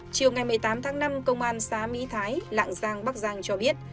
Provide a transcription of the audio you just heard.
chiều ngày một mươi tám tháng năm công an xã mỹ thái lạng giang bắc giang cho biết